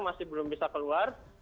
masih belum bisa keluar